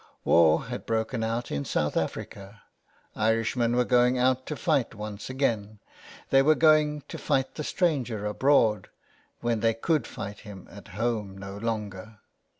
.. War had broken out in South Africa, Irishmen were going out to fight once again ; they were going to fight the stranger abroad when they could fight him at home no longer.